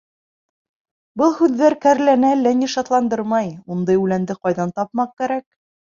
Был һүҙҙәр кәрләне әллә ни шатландырмай: ундай үләнде ҡайҙан тапмаҡ кәрәк?